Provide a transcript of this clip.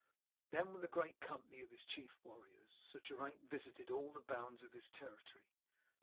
Then, with a great company of his chief warriors, Sir Geraint visited all the bounds of his territory.